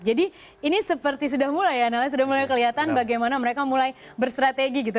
jadi ini seperti sudah mulai ya sudah mulai kelihatan bagaimana mereka mulai berstrategi gitu